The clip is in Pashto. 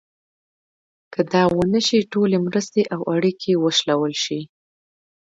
که دا ونه شي ټولې مرستې او اړیکې وشلول شي.